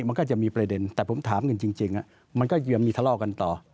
มันก็จะมีประเด็นแต่ผมถามกันจริงมันก็ยังมีทะเลาะกันต่อ